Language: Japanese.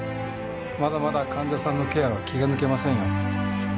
まだまだ患者さんのケアは気が抜けませんよ。